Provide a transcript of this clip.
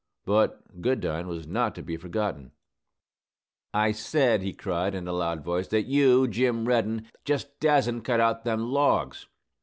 But Goodine was not to be forgotten. "I said," he cried, in a loud voice, "that you, Jim Reddin, jest dasn't cut out them logs.